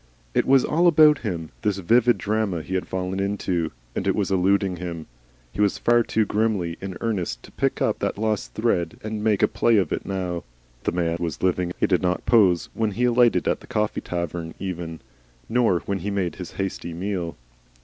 It was all about him, this vivid drama he had fallen into, and it was eluding him. He was far too grimly in earnest to pick up that lost thread and make a play of it now. The man was living. He did not pose when he alighted at the coffee tavern even, nor when he made his hasty meal.